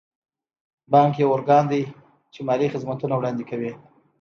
بانک یو ارګان دی چې مالي خدمتونه وړاندې کوي.